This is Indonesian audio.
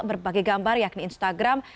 berbagai gambar yakni instagram